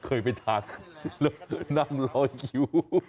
เคยไปทานนั่งรออยู่